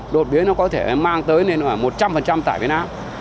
đột biến nó có thể mang tới nên là một trăm linh tải biến áp